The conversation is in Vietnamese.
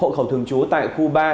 hội khẩu thường chú tại khu ba